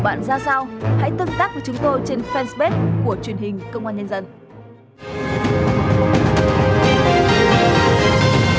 bạn ra sao hãy tương tác với chúng tôi trên fanpage của truyền hình công an nhân dân